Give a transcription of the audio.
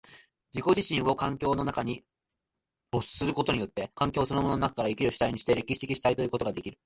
自己自身を環境の中に没することによって、環境そのものの中から生きる主体にして、歴史的主体ということができる。